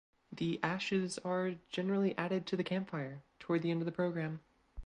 The ashes are generally added to the campfire toward the end of the program.